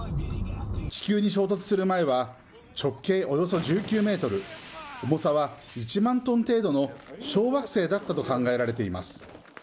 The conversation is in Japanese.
地球に衝突する前は、直径およそ１９メートル、重さは１万トン程度の小惑星だったと考えられています。